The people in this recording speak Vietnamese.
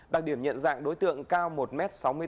đặc điểm nhận dạng đối tượng cao một m sáu mươi tám